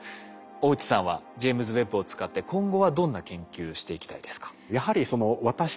大内さんはジェイムズ・ウェッブを使って今後はどんな研究していきたいですか？